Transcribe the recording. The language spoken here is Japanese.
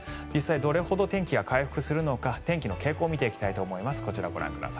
実際どれくらい天気が回復するのか天気の傾向を見ていきたいと思います。